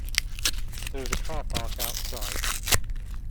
There is a car park outside.